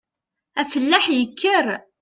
Afellaḥ yekker.